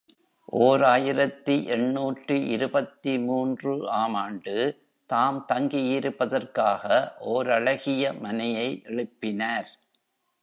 ஓர் ஆயிரத்து எண்ணூற்று இருபத்து மூன்று ஆம் ஆண்டு தாம் தங்கியிருப்பதற்காக ஓரழகிய மனையை எழுப்பினார்.